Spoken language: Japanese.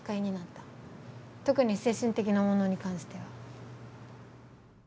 特に精神的なものに関しては。